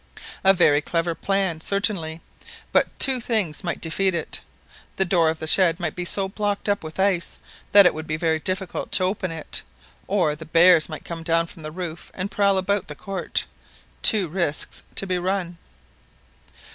A very clever plan, certainly; but two things might defeat it. The door of the shed might be so blocked up with ice that it would be very difficult to open it, or the bears might come down from the roof and prowl about the court. Two risks to be run